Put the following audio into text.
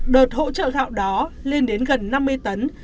đợt hỗ trợ gạo đó lên đến gần năm mươi tấn